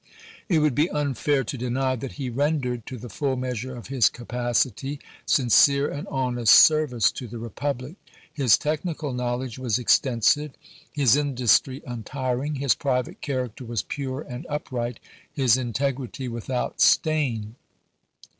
It would be unfair to deny that he rendered, to the full measure of his capacity, sincere and honest service to the republic. His technical knowledge was extensive, his industry untiring ; his private character was pure and upright, his integrity without stain.